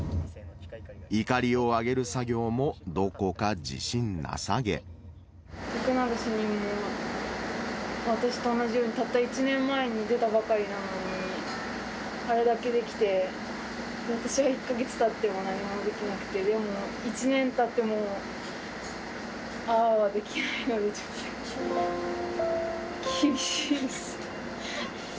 いかりを上げる作業もどこか徳永主任も私と同じように、たった１年前に出たばかりなのにあれだけできて、私は１か月たっても何もできなくて、でも、１年たっても、ああはできないので、ちょっと厳しいです。